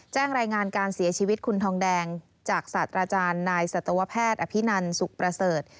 แจ้งรายงานการเสียชีวิตคุณทองแดงจากศาสตราจารย์นายสัตวแพทย์อภินันสุขประเสริฐ